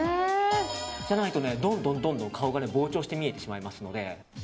じゃないと、どんどん顔が膨張して見えてしまいます。